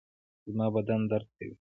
زما بدن درد کوي